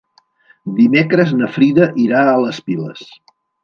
Dimecres na Frida irà a les Piles.